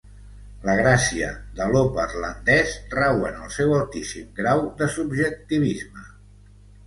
La gràcia de l'opperlandès rau en el seu altíssim grau de subjectivisme.